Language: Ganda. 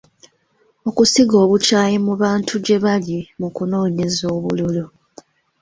Okusiga obukyayi mu bantu gye bali mu kunoonyeza obululu.